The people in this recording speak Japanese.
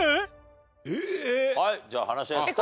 はいじゃあ話し合いスタート。